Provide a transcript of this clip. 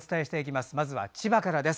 まずは千葉からです。